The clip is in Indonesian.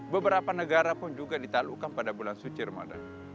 beberapa negara pun juga ditalukan pada bulan suci ramadan